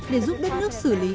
để giúp đất nước xử lý